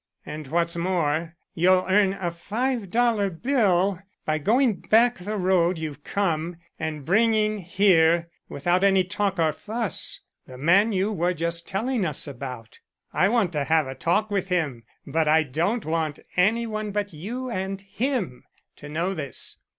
And what's more, you'll earn a five dollar bill by going back the road you've come and bringing here, without any talk or fuss, the man you were just telling us about. I want to have a talk with him, but I don't want any one but you and him to know this.